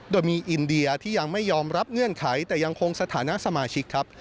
โดยมีอินเดียที่ยังไม่ยอมรับเงื่อนไขแต่ยังคงสถานะสมาชิกครับ